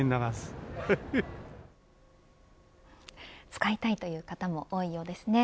使いたいという方も多いようですね。